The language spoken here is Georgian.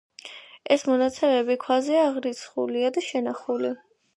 ეს მონაცემები ქვაზეა აღრიცხულია და შენახული.